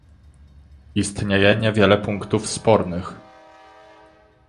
Istnieje niewiele punktów spornych